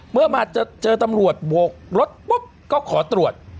เมื่อมาเจอตำรวจโบกรถปุ๊บก็ขอตรวจ